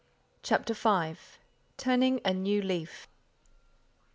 CHAPTER V. TURNING A NEW LEAF.